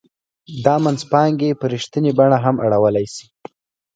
دا منځپانګې په رښتینې بڼه هم اړولای شي